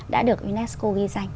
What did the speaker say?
đã được unesco ghi danh